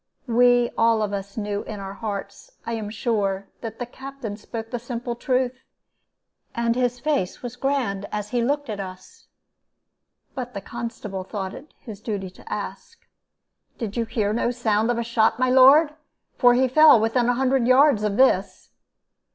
"We all of us knew in our hearts, I am sure, that the Captain spoke the simple truth, and his face was grand as he looked at us. But the constable thought it his duty to ask, "'Did you hear no sound of a shot, my lord? For he fell within a hundred yards of this.'